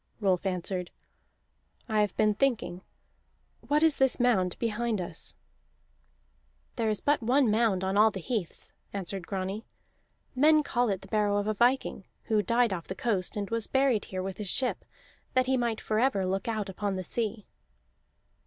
Rolf answered: "I have been thinking. What is this mound behind us?" "There is but one mound on all the heaths," answered Grani. "Men call it the barrow of a viking, who died off the coast, and was buried here with his ship, that he might forever look out upon the sea."